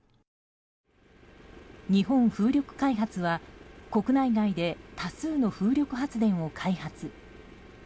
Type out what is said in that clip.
日本風力開発は国内外で多数の風力発電を開発。